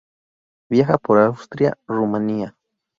Viaja por Austria, Rumanía.